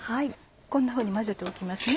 こんなふうに混ぜておきますね。